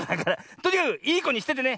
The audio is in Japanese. とにかくいいこにしててね。